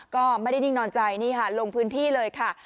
ก็ไม่ได้นิ่งนอนใจนี่ค่ะลงพื้นที่เลยค่ะ